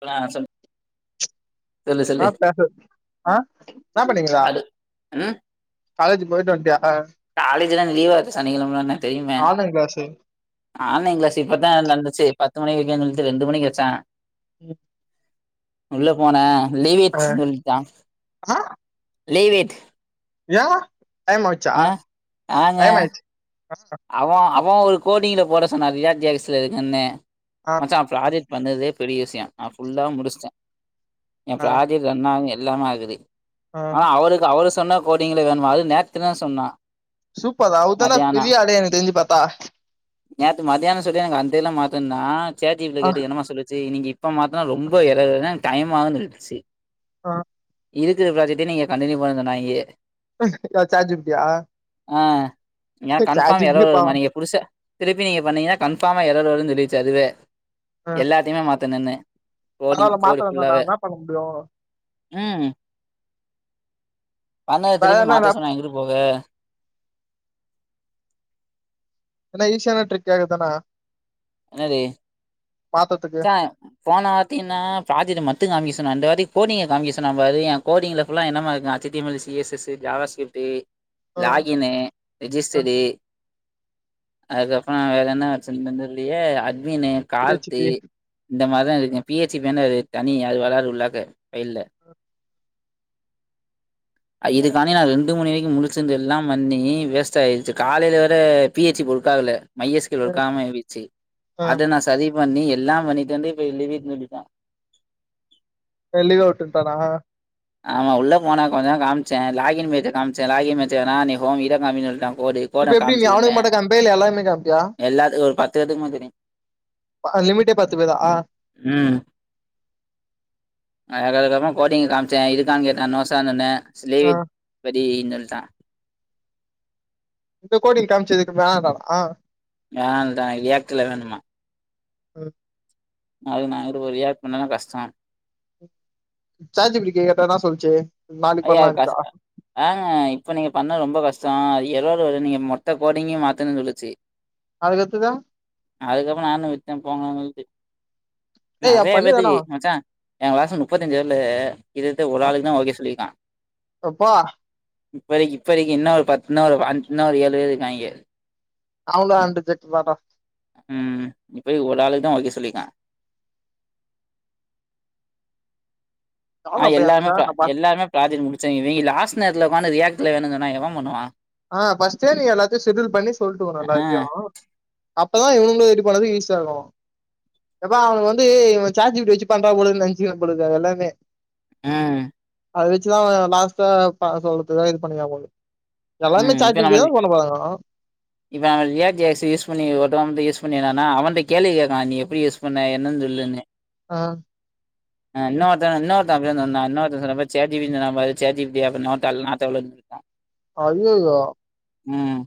பெனா ஆ சொல் சொல்லு ஆ சொல்லு பேசு ஆ ஸ்டாப் பண்ணீங்களா அது ம் காலேஜ்க்கு போய்ட்டு வந்டியா ஆ அ காலேஜ்லா லீவ்வா சனிக்கெழம தான்னு தெரியுமே ஆன்லைன் கிளாஸு ஆன்லைன் கிளாஸ் இப்பதா நடந்துச்சு பத்து மணி வக்கிறேன்னு சொல்லிட்டு ரெண்டு மணிக்கு வச்சாங்க ம் போனே லீவ்இட்னு சொல்லிட்டான் லீவ்இட் ஏ டைம் மாச்சா ஆங்க டைம் ஆயிச்சு அவ அவ ஒரு கோடிங்ல போட சொன்னா ரியா ஜியாக்ஸ்ல இருக்குன்னு ஆ மச்சான் ப்ராஜெக்ட் பண்ணதே பெரிய விஷயோ நா ஃபுல்லா முடிச்டே எ ஆ ப்ராஜெக் சொன்னா எல்லா மாதிரி ஆ ஆனா அவருக்கு அவரு சொன்ன கோடிங்கள வேணுமா அது நேத்து தா சொன்னா சூப்பர்ரா அவருதானா மதியானோ பெரிய ஆளு எனக்கு தெரிஞ்சு பாத்தா நேத்து மத்தியான சொல்லி எனக்கு அந்த எல்லா மாத்தோன்னா சாட் ஜி பி டி ல ஆ கேட்டு என்னமா சொல்லுச்சு நீங்கி இப்ப மாத்துனா ரொம்ப எரர் வருன்னு எனக்கு டைம் ஆகுனு சொல்லிடுச்சு ஆ இருக்குற ப்ராஜெக்டே நீங்க கன்டினியூ பண்ணுங்கனாகே சாட் ஜி பி டி யா ஆ சாட் ஜி பி டி யே பாவோ க புதுசா திருப்பி நீங்க பண்ணீங்கன்னா கன்பார்மா எரர் வருன்னு சொல்லிரிச்சு அதுவே எல்லாத் தையுமே மாத்துனுனு அதனால மாத்த வேனாடா என்ன பண்ண முடியு ம் பண்ணத வேற திருப்பி என்ன மாத்த சொன்னா எங்கிட்டு போக என்னா ஈஸியானா ட்ரிக் ஆகுதானா என்னது மாத்தறதுக்கு சா போனா வாட்டீன்னா ப்ராஜக்ட் மட்டு காமிக்க சொன்னா இந்த வாட்டி கோடிங்க காமிக்க சொன்னா பாரு ஏ கோடிங்ல ஃபுல்லா என்னமா இருக்கு H T M L C S S JavaScript ஆ லாகின்னு ஆ ரெஜிஸ்ட்ரி அதுக்கப்பறோ வேற என்ன செஞ்தந்தது லியே அஜ்மின்னு பி ஹெச் கார்த்தி பி இந்த மாரிதா இருக்கே பி ஹெச் பி ன்னு அது தனி அது வராது உள்ளாக்க ஃபைல்ல அ இதுக்கானி நா ரெண்டு மணி வரைக்கும் முழுச்சிருந்து எல்லாம் பண்ணி வேஸ்ட் ஆயிருச்சு காலேல வேற பி ஹெச் பி வொர்க் ஆகல மை யஸ் கு யல் வொர்க் ஆகாம இருந்துச்சு ஆ அத நா சரி பண்ணி எல்லா பண்ணிட்டு வந்து இப்ப லீவ் இட் சொல்லிடா லீ அவுட்டுட்டானா ஆமா உள்ள போனா கொஞ்ச தா காமிச்ச லாகின் பேஜ் காமிச்ச லாகின் பேஜ் வேண்டா நீ ஹோம் இத காமின்னு சொல்ட்டா கோடு இப்ப கோட எப்டி நீ அவனுக்கு காம்ச்சத்துமே மட்டு காமிப்பியா இல்ல எல்லாருமே காமிப்பியா எல்லாத்துக்கும் ஒரு பத்து பேத்துக்குமே தெரியு அ லிமிட்டே பத்து பேர் தா ம் அது அதுக்கப்பற கோடிங்க காமி ச்ச இருக்கா கேட்டா நோ சார்ன்னு சொன்ன லீவ் ஆ இட் படின்னு சொல்லிட்டா இப்ப கோடிங் காமிச்சதுக்கு [unintelligible] வேணாண்டா ரியாக்ட் ல்ல வேணுமா [unintelligible] ரியாக்ட் பண்ணதா கஷ்ட செட் ஜிபி டி கிட்ட கேட்டா சொல்லிச்சு ஐயா அது கஷ் ஆங்க இப்ப நீங்க பண்ண ரொம்ப கஷ்ட ஏரர் வரும் நீங்க மொத்த கோடிங்கும் மாத்தன்னு சொல்லுச்சு அதுக்கு அடுத்துது அதுக்கப்பற நானு விட்ட போங்கணு சொல்லிட்டு டேய் அது நெறைய பண்ணிதானா பேத்துக்கு மச்சா எய கிளாஸ் முப்பத்தஞ்சு பேர்ல கிட்டதிட்ட ஒரு ஆளுக்கு தா ஓகே சொல்லிருக்கா அப்பா இப்ப வரைக்கு இப்ப வரைக்கு இன்னோ ஒரு பத்துன்னா ஒரு அஞ்சு இன்னோ ஒரு ஏழு பேரு இருக்காங்க [unintelligible] அண்டு [unintelligible] ம் இப்பத்திக்கு ஒரு ஆளுக்குதா ஓகே சொல்லிக்கா நானு ஆஹ் அப்ப எல்லாருாமே அங்கதா நா பாத் எல்லாருமே ப்ராஜெக்ட் முடிச்சாங்க இவிங்க லாஸ்ட் நேரத்துல ஓக்காந்து ரியாக்ட்ல வேணும்ு சொன்னா எவ பண்ணுவா ஹ ஃபர்ஸ்ட்டே நீங்க எல்லாத்தையு செஷடியல் பண்ணி சொல்லட்டுவு ஆ எல்லாத்தையு அப்பதா இவனுங்களு இது பண்ணது ஈஸியா இருக்கும் எப்பா அவனுக்கு வந்து இவ சட் ஜிப்படி வச்சு பண்றா பொழுது நெனச்சு பாங்க பொழுது எல்லாமே ம் அத வச்சுதா லாஸ்ட்டா அவ சொல்றதுக்கு இது பண்ணிக்கா போது ம் இப்ப நம்மளுக்கு இப்ப அவ ரியாகட் ஜே யஸ் யூஸ் பண்ணி ஒருத்தவ வந்து யூஸ் பண்ணினான்னா அவன்ட கேள்வி கேட்கா நீ எப்டி யஸ் பண்ண என்னன்ன சொல்லுன்னு அ அ இன்னருத்த இன்னொருத்த அப்டிதா சொன்னா இன்னொரு சொன்னா பாரு சாட் ஜிபிட்டி ன்னு சொன்னா பாரு சாட் ஜிபிட்டியா நாட் அல்லோட் நாட் அல்லோட் ஜய்யயோ ம்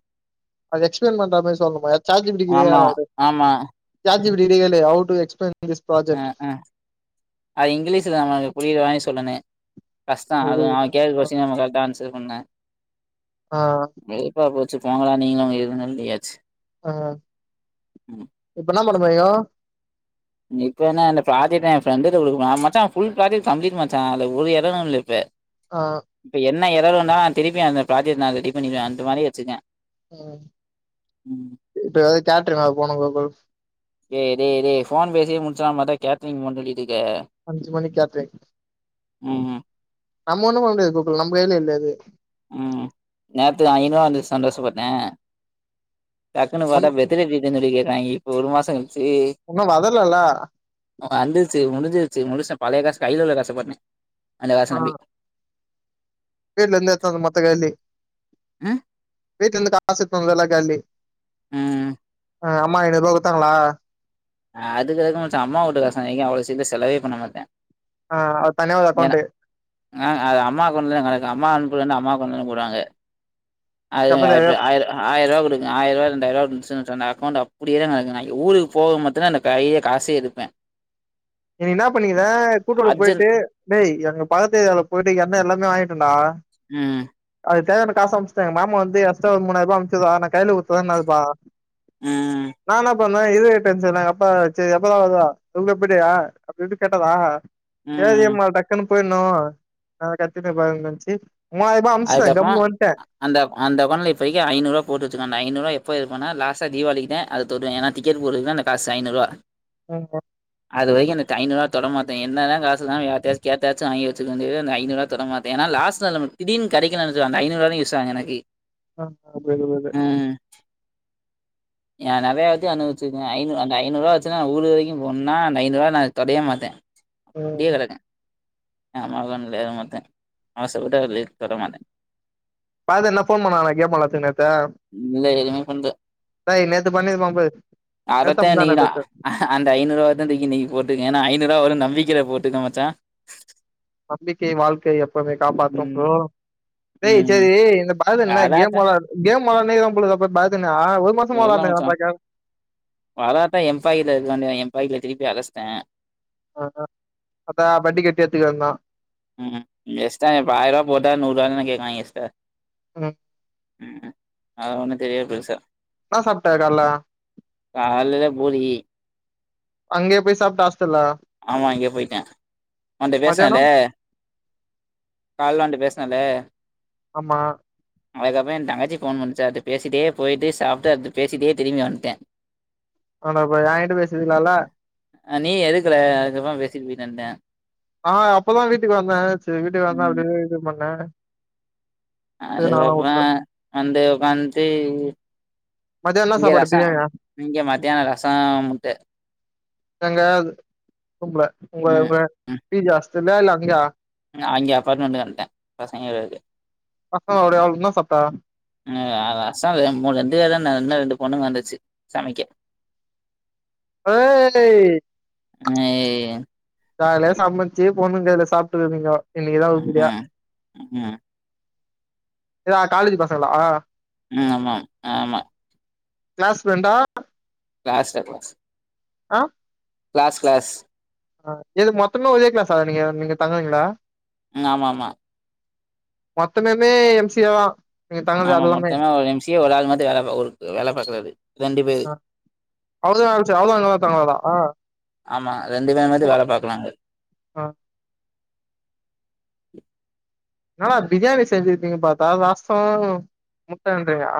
அத எக்ஸ்பிளைன் பண்ற மாதிரி சொல்லன்னுமா சாட் ஜிபிட்டி ஆமா ஆமா [unintelligible] சாட் ஜிபிட்டி கிட்ட கேளு how to explain this a project அ அது இங்கிலீஷ்ல நம்மளுக்கு புரிய மாரி சொல்லணு கஷ்ட அதுவு அவ கேக்குற குஷ்டியன்னுக்கு நா கரெக்ட் டா ஆன்சர் பண்ண அ வெறுப்பா போச்சுபோங்க டா நீங்களு உங்க இதுவும் சொல்லியாச்சு ஆஹ ம் இப்ப என்னா பண்ண போரிங்க இப்ப என்ன இந்த ப்ராஜெக்ட் எய ஃப்ரண்டு கிட்ட கொடுக்க போற மச்சா ஃபுல் ப்ராஜெக்ட் கம்ளீட் மச்சா அதுல ஒரு இரரு இல்ல இப்ப அ இப்ப என்ன இரர் வந்தாலு நா திருப்பி அந்த பராஜெக்ட் நா ரெடி பண்ணிருவ அந்த மாதிரி வச்சிருக்க ம் இப்ப தியேட்டர் [unintelligible] டே டே டே ஃபோன் பேசியே முடிச்சலா பாத்தா கேடரிங் பண் சொல்லிட்டுக்க அஞ்சுமணி கேட்ரிங் ம் ம் நம்ம ஒண்ணும் பண்ண முடியாது கூக்குள் நம்ம கைல இல்ல அது ம் நேத்து ஐநூரூவா வந்துது சந்தோஷப்பட்டே டக்குனு பாத்தா ஒன்னும் வெ த்தன வீடுனு சொல்லி கேக்குறாங்க இப்போ ஒரு மாசம் கழுச்சு ஒன்னு வதலல்ல வந்துச்சு முடிஞ்சிருச்சு முடிச்டே பழைய காசு கைல உள்ள காசப்போட்டே அந்த காச ஆ நம்பி வீட்ல இந்து எத்தா மொத்த காலி ம் வீட்ல இந்து காச எத்து வந்தது எல்லா காலி ம் ஆ அம்மா எட ரூவா குத்தாங்களா அதுக்கு இதுக்கு ச அம்மாவூட்டு காசு [unintelligible] அவ்ளோ சீக்கிர செலவே பண்ண மாட்டே ஆ அது தனியாவது ஏன்னா அக்கௌண்ட்டு ஆ அது அம்மா அக்கௌன்ட்லதா கெடக்கு அம்மா அனுப்புறதுன்னா அம்மா அக்கௌன்ட்லதா போடுவாங்க அது எ எப்ப [unintelligible] ஆயிர ஆயர ரூவா குடுக்கு ஆயரூவா ரெண்டாயிரூவா குடுச்சுனு வச்சுக்கோ அந்த அக்கௌன்ட்ட அப்பிடியே நா ஊருக்கு போக மட் ட்டு தா அந்த கையே காசே இருப்பே எனக்கு என்னா பண்ணிக்கிற கூட் ரோடு அர்ஜென்ட் போயிட்டு டேய் எங்க பகத்து ஏரியால போயிட்டு எண்ண எல்லாமே வாங்கிட்டேண்டா ம் அது தேவயான காசு அனுப்ச்சுட்டாங்க மாமா வந்து எஸ்டா ஒரு மூனாயரூபா அனுப்சுதா நா கைல குடுத்ததா நெனப்பா ம். நானா அப்பனா இது டென்ஷன் ஆகுற அப்பா சே எப்பதா வருவா சொல்லு எப்டியா அப்டின்ட்டு கேட்டதா சேரி ம். அம்மா டக்குன்னு போயிணு நா [unintelligible] மூவாயரூபா அதுக்கு அப்புற ஆ அந்த அந்த அக்கௌன்ட்ல இப்பதைக்கி ஐநூரூவா போட்டு வச்சுக்க ன அந்த ஐநூரூவா எப்ப எடுப்பன்னா லாஸ்டா தீபாளிக்கு தா அது தொடுவே ஏனா டிக்கெட் போடு தா அந்த கா சைனு ருவா ம் அது வரைக்கு என்னுட்டு ஐநூரூவாவ தொட மாட்டே என்ன தா காசு தா யார்ட்டயாச்சு கேட்டாச்சு வாங்கி வச்சுக்குவே தவிர அந்த ஐநூரூவாவ தொட மாட் ஏனா லாஸ்டு நாளு நம்மளுக்கு தீடீனு கெடைக்கலேனு வச்சுக்கோ அந்த ஐநூரூவா தா யூஸ் ஆகு எனக்கு ஆ [unintelligible] எ நகைய வச்சு அனுவச்சுக்குவே ஐநூ அந்த ஐநூரூவா வச்சு நா ஊரு வரைக்கு போணுணா அந்த ஐநூரூவா நா தொடையே மாட்டே அப்டியே கிடக்கு [unintelligible] மாட்டே ஆசப்பட்டு அத லீக் தொட மாட்டே பாதர் என்ன ஃபோன் பண்ணாணா [unintelligible] இல்ல எதுமே பண்த டேய் நேத்து பண்ணிருப்பா பாரு நேத்தா அதத்தான் முந்தா இன்னைக்கு நேத்தா நான் தெர்ல அந்த ஐநூவாத்தா தூக்கி இன்னைக்கி போட்டுக்கே ஏனா ஐநூவா வரு நம்பிக்கேல போட்டுக்கே மச்சா நம்பிக்கை வாழ்க்கை அப் எப்போமே காப்பாத்து ம் டேய் ம். சேரி இந்த பாலு என்ன கேம் அதாத்தான் வெளா கேம் வெளா அன்னைக்கு தா பொழுது அ பாத்தேனா ஒ தெர்ல மச்சா வராட்ட எம்ஃபைலு [unintelligible] எம்ஃபைலு திருப்பி அடசிட்டே ஆ அத பட்டி கட்டி எத்து கெந்தா ம் எஸ்டா ப்ப ஆயரூபா போட்டா நூறுவா தானே கேக்காங்க எஸ்டா ம் ம் அது ஒன்னு தெரியாது பெருசா என்ன சாப்ட்ட கால்ல காலைல பூரி அங்கயா போய் சாப்ட்ட ஆஸ்ப்த்ரில ஆமா அங்க போய்ட்டே உன்ட்ட பேஸ்னேன்ல மதியானம் கால்ல ஒன்ட்ட பேஸ்னேன்ல ஆமா அதுக்கு அப்றோ ஏ தங்கச்சி போன் பண்ணிச்சு அதுட்ட பேசிட்டே போய்ட்டு சாப்ட்டு அதுட்ட பேசிட்டே திரும்ப வந்ட்டே ஆன்டப்பா எகிட்ட பேசிறிக்லால்ல அ நீ எடுக்கல அதுக்கு அப்போ பேசிட்டு போய்ட்டு வந்டே ஆ அப்பதா வீட்டுக்கு வந்தே செரி வீட்டுக்கு வந்தே ம் அப்டியே இது பண்ணே அதுக் அப்றோ வந்து உக்காந்த்டு மதியானம் என்ன இங்க சாப்பாடு? ரசம் பிரியாணியா? இங்க மத்தியானோ ரசோ முட்ட தங்க அது விரும்ல உங்க ம் உங்க பி பி ஆஸ்டல்லா இல்ல அங்யா அங்கே அப்பார்ட்மெண்ட் வந்ட்டே பசங்க வேற இருக்கு அஹூ அப்டி அவா என்ன சாப்ட்டா அ அஸ்ஸாமு மூணு ரெண்டு பேரு தான இன்னு ரெண்டு பொண்ணுங்க வந்துச்சு சமைக்க ஓ லே ஐய்யய்யோ காலைல சமைச்சு பொண்ணுங் கைல சாப்ட்டு இருக்கீங்கோ இன்னைக்குதா உருப்டியா ம் ம் ஏதா காலேஜ் பசங்களா ம் ஆமா ஆமா க்ளாஸ் ஃப்ரெண்டா க்ளாஸ்ல எப்போ ஆ க்ளாஸ் க்ளாஸ் அ எது மொத்தமே ஒரே க்ளாஸா நீங்க நீங்க தங்குறீங்ளா ம் ஆமா ஆமா மொத்தமமே எம் சி ஏவா ஆமா மொத்தமே ஒரு எம் சி ஏ ஒரு ஆள் மட்டு வேல ஒரு வேல பாக்குறாரு ரெண்டு பேரு ஆ அவருதா வேல செஞ் அவருதா வேல பாத்தராறா ஆமா ரெண்டு [unintelligible] இருந்து வேல பாக்கலாங்க ஆ என்னடா பிரியாணி செஞ்சிருப்பீங்கன் பாத்தா லாஸ்டா முட்டன்றீங்கா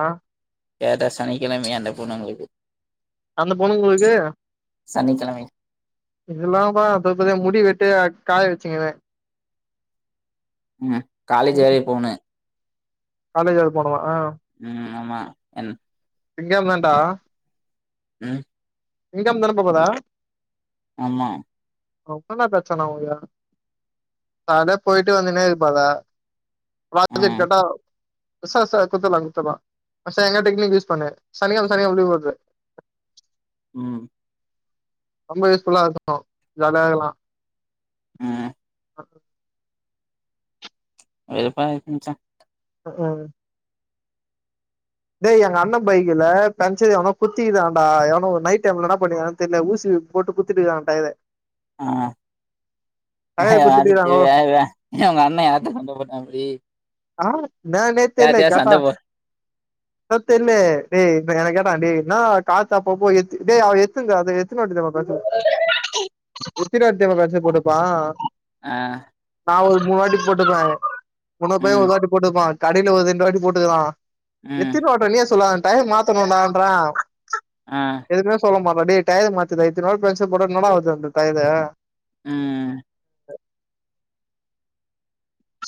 கேட்டா சனிக்கெழமயா அந்த பொண்ணுங்களுக்கு அந்த பொண்ணுங்களுக்கு சனிக்கெழமை இதெல்லாம்ப்பா அதோ பெரிய முடி வெட்டு காய வச்சுகினு ம் காலேஜ் வரயு போணு காலேஜ் வேற போணுமா ஆ ம் ஆமா என் சிங்கோ தான்டா ம் சிங்கம் நெனப்பு பார்டா ஆமா [unintelligible] ஆளே போய்ட்டு வந்துனே இருப்பாங்க [inaudible] ம் கேட்டா ச ச குட்த்தலா குட்த்தலா [unintelligible] எங்க டெக்னிக் யூஸ் பண்ணு சனிக்கெழ்ம சனிக்கெழ்ம லீவ் போட்ரு ம் ரொம்ப யூஸ்ஃபுல்லா இருக்கு ஜாலியா இக்கலா ம் [inaudible] வெறுப்பா இருக்கு மச்சா ம் ம் டேய் எங்க அண்ணெ பைக்ல ஃபரண்ட் செட் எவனோ குத்திக்குதான்டா எவனோ ஒரு நைட் டைம்ல என்ன பண்ணிருக்காங்கன் தெர்ல ஊசி போட்டு குத்திட்டு இருக்கா அவ டயர ஆ டயர [unintelligible] குத்திட்டுருக்காங்கோ உங்க அண்ணெ யாருட்ட சண்ட போட்டா அப்டி ஆ இன்னானே தெர்ல யார்ட்டயா கேட்டா சண்ட போ [unintelligible] [unintelligible] அ நா ஒரு மூனு வாட்டி போட்டுக்கே [unintelligible] ம் ஒருவாட்டி போட்டுப்பா கடைல ஒரு ரெண்டு வாட்டி போட்டுருவா ம் நீயே சொல்லாத டையர் மாத்தணுன்டான்றா அ எதுமே சொல்ல மாட்றா டேய் டையர மாத்துடா இத்தநாள் பேசா போனா என்னடா ஆவுது அந்த டயரு ம்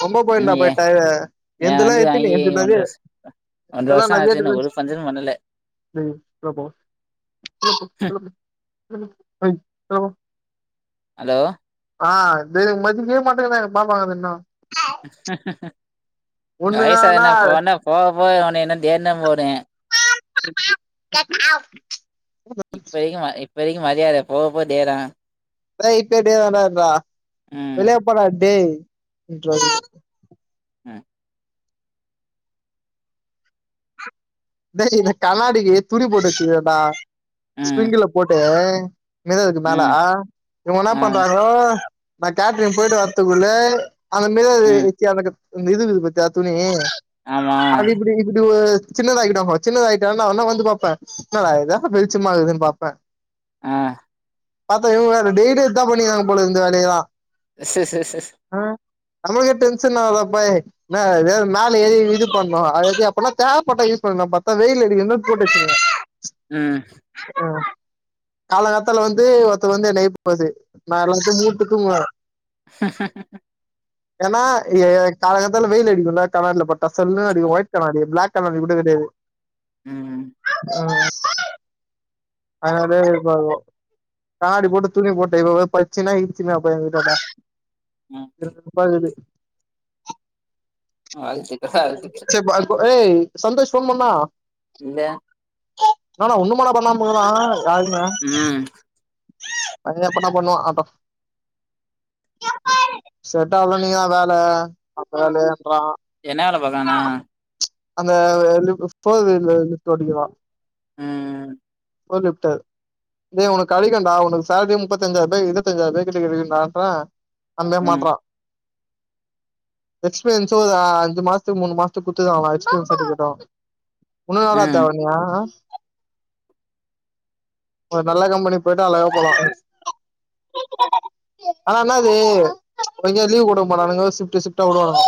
ரொம்ப ம் போயிண்டா ஏ போய் டயரு ஏ என்துலா வண்டி எத்தினி வாங்கி என்து ஒன்ற நெறைய வர் ஒன்ற இதெல்லா வருஷோ நெறைய ஆச்சு இன்னொ ஒரு டிஃபரன்ஸ் பஞ்சரு பண்ணல [unintelligible] ஹலோ ஆ இது மதிக்கவே [unintelligible] வயசா ஒண்ணுதானா என்ன போன்ன போக போக உன்ன இன்னொ தேர்னம் போறே [unintelligible] இப்ப வரைக்கு இப்ப வரைக்கு மரியாத போக போக தேரு [unintelligible] ம் வெளியே போடா டேய் அ டேய் இந்த கண்ணாடிக்கி துணி போட்டு வச்சுர்க்கேண்டா ம் ஸ்விங்குல போட்டு இனிமே த எதுக்கு மேல ம் இவுங் என்ன ஆ பண்றாங்கோ நா கேட்ரிங் போயிட்டு வரத்துக்குள்ளே அந்த ம் மேலருக்கு [unintelligible] இந்த இதுக்குது பத்திய துணி ஆமா அது இப்டி இப்டி ஒரு சின்னதாகிட்டா சின்னதாகிட்டா அவனா வந்து பாப்பே என்னடா இது வெளிச்சமா ஆகுதுன்னு பாப்பே அ பாத்தா இவுங்க வேற டெய்லி இதா பண்ணிருாங்க போல இந்த வேலையத எஸ் ஸ ஸ ஸட் அ நமக்கே டென்ஷன் ஆகுதப்பை என்னடா இது மேல ஏறி இது பண்ணு அத இது அப்பனா தேவைப்பட்டா பண்லா பாத்தா வெயில் அடிகுன்னு போட்டு வச்சுகுறே ம் அ காலகாத்தால வந்து ஒருத்த வந்து என்ன எழுப்பும் போது நா எல்லாத்தயு மூட்டு தூங்குவே ஏன்னா எ காலகாத்தால வெயில் அடிக்குல கண்ணாடில பட்டா சல்லுன்னு அடிக்கு ஒயிட் கண்ணாடி பிளாக் கலர்ல கூட கெடையாது ம் அ அதனால இருப்பாங்கோ கண்ணாடி போட்டு துணி போட்டு ம் [unintelligible] அது செரி சேர் பாத் ஏ சந்தோஷ் ஃபோன் பண்ணா இல்ல ஏன்டா இண்ணுமாடா பண்ணாமா இருக்குறா கால்ல ம் அது எப்பனா பண்ணுவா ஆட்டு செட்டாவுல நீங்க தா வேல அப்ப வேலையன்றா என்ன வேல பாக்குறாண்ணா அந்த லிப் போதுல்ல லிப்தொடைக்குறா ம் ஹோலிப்டர் ஏ கெடைக்குடா உனக்கு சேலரி முப்பத்தஞ்சாயிரம் ரூபாய் இருபத்தஞ்சாயிரம் ரூபா கிட்ட கெடைக்குன்டான்ற அந்த ம் மாற்றா எக்ஸ்பீரியன்சு ஒரு அ அஞ்சு மாசத்துக்கு மூணு மாசத்துக்கு குத்துருக்காங்க டா எக்ஸ்பீரியன்ஸ் சர்டிபிகேட்டு இன்னு என்னடா ம் தேவனையு ஒரு நல்ல கம்பெனி பேயிட்டா அழகா போலா ஆனா என்னாது கொஞ்சோ லீவு குடுக்கமாடானுங்க சிப்டு சிப்டா விடுவான்னுக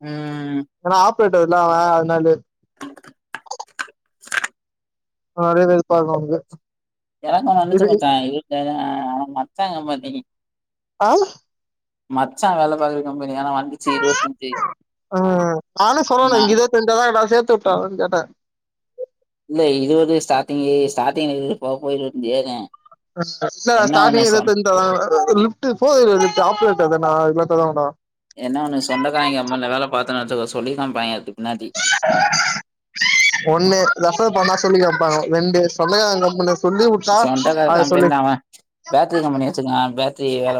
ம் ஏனா ஆப்ரேட்டர்ல அவ அதனாலே [unintelligible] நெறைய வெருப்பாருக்கு அவுனுக்கு எனக்கு ஒன்னு வந்துச்சு மச்சா இருந்தாலு மச்சா ஏமாத்தி ஆ மச்சாா வேல பாக்ற கம்பனியா ஏனா வண்டி ஆ நானு சொன்னனே நா இங்க இதே செட்டான நா சேத்து விட்டானு கேட்ட இல்ல இருவது ஸ்டார்டிங்கே ஸ்டார்டிங் போவ போவ இருவத்தெஞ்சி ஏறு இல்ல என்ன ஒண்ணு ஸ்டார்டிங் சொன் இருவத்தஞ் lift four wheeler lift operator தான இதுகெல்லா தரமாட்டாங்க என்ன ஒன்னு சொந்தகாரவங்க கம்பெனில வேலை பாத்தோனு வெச்சுக்கோய சொல்லி காமிப்பாங்க பின்னாடி ஒண்ணு தப்பு பண்ணா சொல்லி காமிப்பாங்க ரெண்டு சொந்தகாரவங்க முன்னா சொல்லி வுட்டா சொந்தக்கார ஆ சொல்லி கம்பெனில அவன் பேட்ரி கம்பெனி வச்சிருக்காங்க பேட்ரி வேல